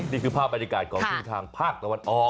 นี่คือภาพบรรยากาศของทุ่งทางภาคตะวันออก